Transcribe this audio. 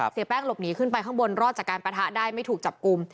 เสียแป้งหลบหนีขึ้นไปข้างบนรอดจากการปะทะได้ไม่ถูกจับกลุ่ม